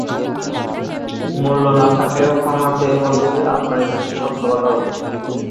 মূল্য না থাকলেও, ক্ষমা চেয়ে বলছি, আপনার স্ত্রী সত্য কথা বলছে।